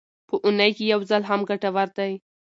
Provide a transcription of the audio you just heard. په اونۍ کې یو ځل هم ګټور دی.